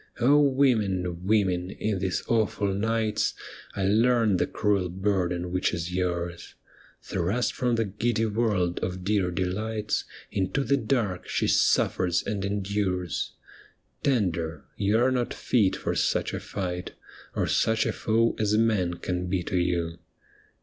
women, women, in these awful nights 1 learned the cruel burden which is yours ! Thrust from the giddy world of dear delights Into the dark, she suffers and endures. Tender, you arc not fit for such a fight Or such a foe as man can be to you.